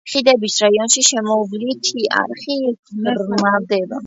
ხიდების რაიონში შემოვლითი არხი ღრმავდება.